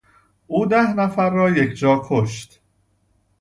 او ده نفر را یکجا کشت.